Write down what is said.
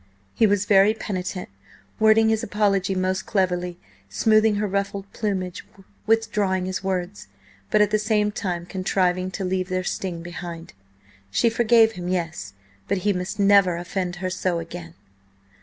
He was very penitent, wording his apology most cleverly, smoothing her ruffled plumage, withdrawing his words, but at the same time contriving to leave their sting behind. She forgave him, yes, but he must never offend her so again.